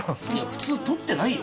普通取ってないよ